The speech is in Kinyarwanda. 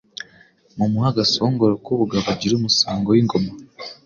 Mumuhe agasongoro* k'ubugabo Agira umusango w'ingoma.